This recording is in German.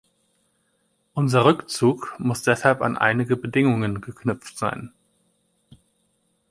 Unser Rückzug muss deshalb an einige Bedingungen geknüpft sein.